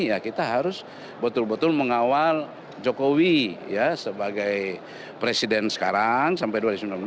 ya kita harus betul betul mengawal jokowi ya sebagai presiden sekarang sampai dua ribu sembilan belas